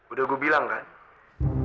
udah gue bilang kan